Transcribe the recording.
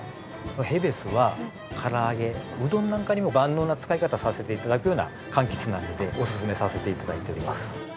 へべすは唐揚げうどんなんかにも万能な使い方をさせて頂くような柑橘なのでおすすめさせて頂いております。